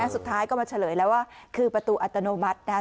สุดท้ายก็มาเฉลยแล้วว่าคือประตูอัตโนมัตินะครับ